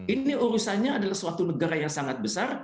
ini urusannya adalah suatu negara yang sangat besar